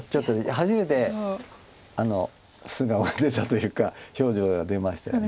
初めて素顔が出たというか表情が出ましたよね。